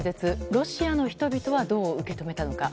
ロシアの人々はどう受け止めたのか。